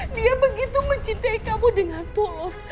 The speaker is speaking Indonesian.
dia begitu mencintai kamu dengan tulus